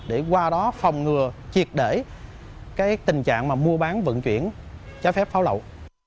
thì qua đó phòng ngừa triệt đẩy tình trạng mua bán vận chuyển cháy phép pháo lậu